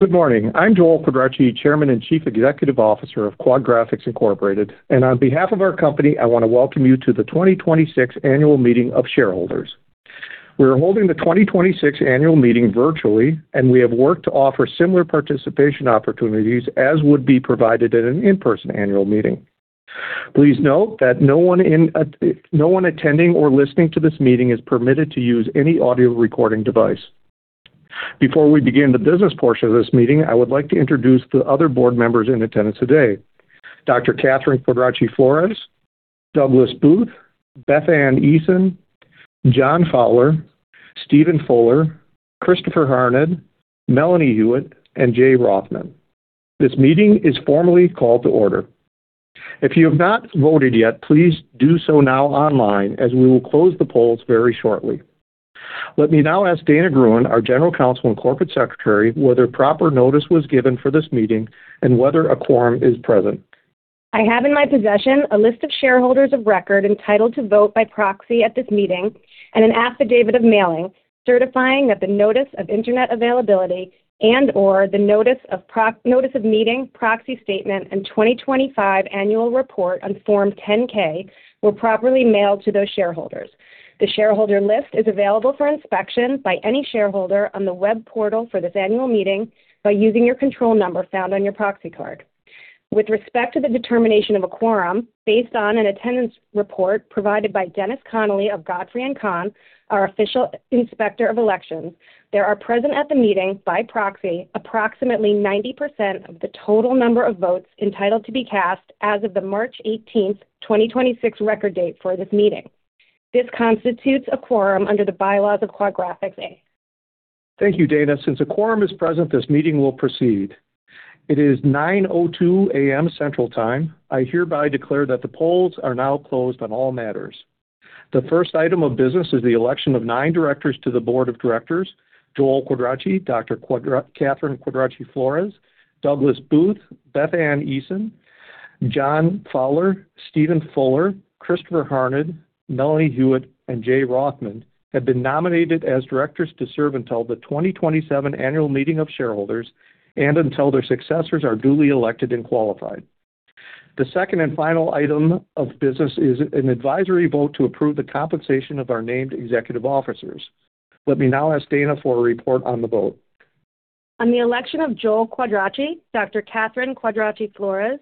Good morning. I'm Joel Quadracci, Chairman and Chief Executive Officer of Quad/Graphics, Inc. On behalf of our company, I want to welcome you to the 2026 annual meeting of shareholders. We are holding the 2026 annual meeting virtually, and we have worked to offer similar participation opportunities as would be provided at an in-person annual meeting. Please note that no one attending or listening to this meeting is permitted to use any audio recording device. Before we begin the business portion of this meeting, I would like to introduce the other board members in attendance today. Dr. Kathryn Quadracci Flores, Douglas Buth, Beth-Ann Eason, John Fowler, Stephen Fuller, Christopher Harned, Melanie Huet, and Jay Rothman. This meeting is formally called to order. If you have not voted yet, please do so now online, as we will close the polls very shortly. Let me now ask Dana Gruen, our General Counsel and Corporate Secretary, whether proper notice was given for this meeting and whether a quorum is present. I have in my possession a list of shareholders of record entitled to vote by proxy at this meeting and an affidavit of mailing, certifying that the notice of internet availability and/or the notice of meeting, proxy statement, and 2025 annual report on Form 10-K were properly mailed to those shareholders. The shareholder list is available for inspection by any shareholder on the web portal for this annual meeting by using your control number found on your proxy card. With respect to the determination of a quorum, based on an attendance report provided by Dennis Connolly of Godfrey & Kahn, our official inspector of elections, there are present at the meeting by proxy, approximately 90% of the total number of votes entitled to be cast as of the March 18th, 2026, record date for this meeting. This constitutes a quorum under the bylaws of Quad/Graphics, Inc. Thank you, Dana. Since a quorum is present, this meeting will proceed. It is 9:02 A.M. Central Time. I hereby declare that the polls are now closed on all matters. The first item of business is the election of nine directors to the board of directors. Joel Quadracci, Dr. Kathryn Quadracci Flores, Douglas Buth, Beth-Ann Eason, John Fowler, Stephen Fuller, Christopher Harned, Melanie Huet, and Jay Rothman have been nominated as directors to serve until the 2027 annual meeting of shareholders and until their successors are duly elected and qualified. The second and final item of business is an advisory vote to approve the compensation of our named executive officers. Let me now ask Dana for a report on the vote. On the election of Joel Quadracci, Dr. Kathryn Quadracci Flores,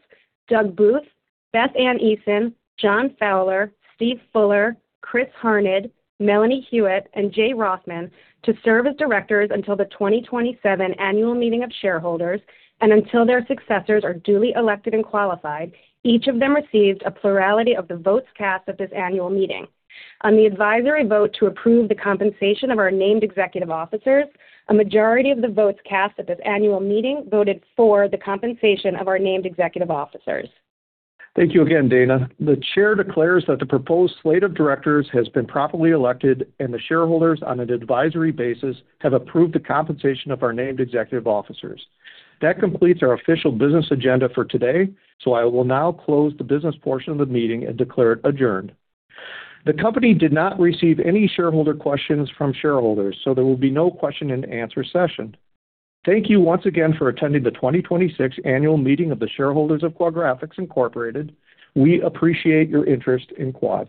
Doug Buth, Beth-Ann Eason, John Fowler, Steve Fuller, Chris Harned, Melanie Huet, and Jay Rothman to serve as directors until the 2027 annual meeting of shareholders and until their successors are duly elected and qualified, each of them received a plurality of the votes cast at this annual meeting. On the advisory vote to approve the compensation of our named executive officers, a majority of the votes cast at this annual meeting voted for the compensation of our named executive officers. Thank you again, Dana. The chair declares that the proposed slate of directors has been properly elected and the shareholders on an advisory basis have approved the compensation of our named executive officers. That completes our official business agenda for today, so I will now close the business portion of the meeting and declare it adjourned. The company did not receive any shareholder questions from shareholders, so there will be no question and answer session. Thank you once again for attending the 2026 annual meeting of the shareholders of Quad/Graphics, Inc. We appreciate your interest in Quad.